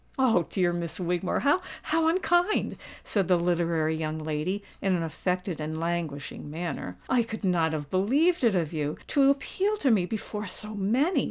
"Oh! dear Miss Wigmore, how unkind!" said the literary young lady, in an affected and languishing manner. "I could not have believed it of you—to appeal to me before so many!